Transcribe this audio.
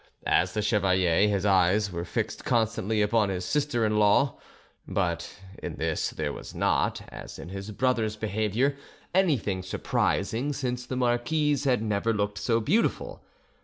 As to the chevalier, his eyes were fixed constantly upon his sister in law, but in this there was not, as in his brother's behaviour, anything surprising, since the marquise had never looked so beautiful.